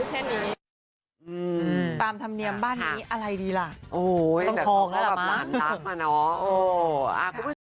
ก็ตามธรรมเนียมค่ะพูดแค่นี้